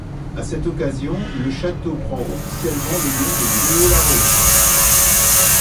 À cette occasion, le château prend officiellement le nom de Gruaud-Larose.